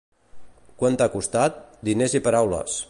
—Quant t'ha costat? —Diners i paraules!